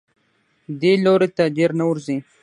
دې لوري ته ډېر نه ورځي.